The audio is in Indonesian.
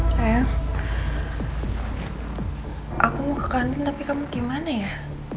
sayang aku ke kantin tapi kamu gimana ya